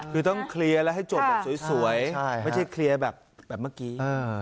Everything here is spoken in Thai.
คือต้องเคลียร์แล้วให้จบแบบสวยไม่ใช่เคลียร์แบบเมื่อกี้